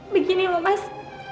begini loh mas